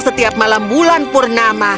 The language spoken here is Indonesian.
setiap malam bulan purnama